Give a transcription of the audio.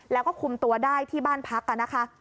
แล้วก็คุมตัวได้ที่บ้านพักนะคะ